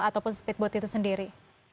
ataupun speedboat itu sendiri